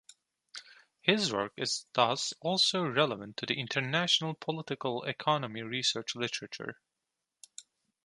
His work is thus also relevant to the international political economy research literature.